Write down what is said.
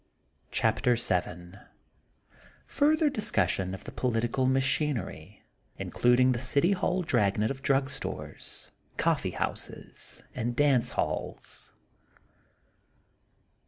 CHAPTER Vn ITTRTHBR DISCUSSION OP THE POLITICAL MAOHIITEKI, INCLUDING THE CITY HALL DRAG NET OP DRUG STORES, COPPEB HOUSES AND DANCE HALLS.